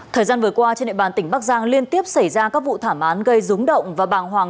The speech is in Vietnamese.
thời gian vừa qua trên địa bàn tỉnh bắc giang liên tiếp xảy ra các vụ thảm án gây rúng động và bàng hoàng